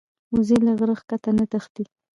وزې له غره ښکته نه تښتي